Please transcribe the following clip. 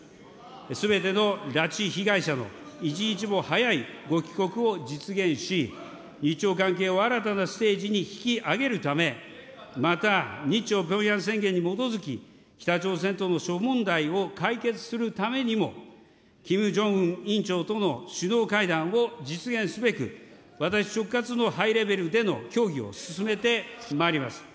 すべての拉致被害者の一日も早いご帰国を実現し、日朝関係を新たなステージに引き上げるため、また日朝ピョンヤン宣言に基づき、北朝鮮との諸問題を解決するためにも、キム・ジョンウン委員長との首脳会談を実現すべく、私直轄のハイレベルでの協議を進めてまいります。